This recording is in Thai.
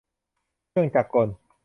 เครื่องจักรกล